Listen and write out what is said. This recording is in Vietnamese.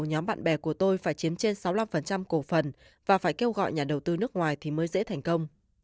nhóm bạn bè của tôi phải chiếm trên sáu mươi năm cổ phần và phải kêu gọi nhà đầu tư nước ngoài thì mới dễ thành công